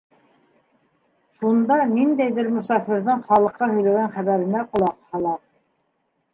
Шунда ниндәйҙер мосафирҙың халыҡҡа һөйләгән хәбәренә ҡолаҡ һала.